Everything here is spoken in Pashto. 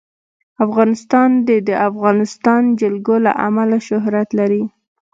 افغانستان د د افغانستان جلکو له امله شهرت لري.